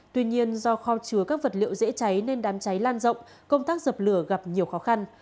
tuy nhiên do kho chứa các vật liệu dễ cháy nên đám cháy lan rộng công tác dập lửa gặp nhiều khó khăn